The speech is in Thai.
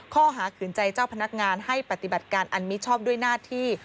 ขืนใจเจ้าพนักงานให้ปฏิบัติการอันมิชอบด้วยหน้าที่